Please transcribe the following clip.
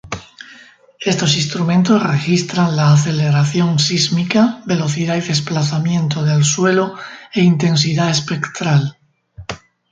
Estos instrumentos registran la aceleración sísmica, velocidad y desplazamiento del suelo e intensidad espectral.